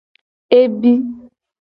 Ebi.